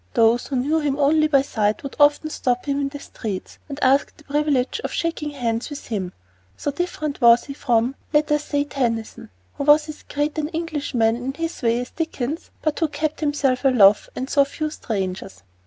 Those who knew him only by sight would often stop him in the streets and ask the privilege of shaking hands with him; so different was he from let us say Tennyson, who was as great an Englishman in his way as Dickens, but who kept himself aloof and saw few strangers.